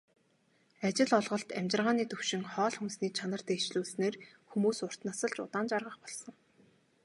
Ажил олголт, амьжиргааны түвшин, хоол хүнсний чанарыг дээшлүүлснээр хүмүүс урт насалж, удаан жаргах болсон.